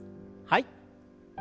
はい。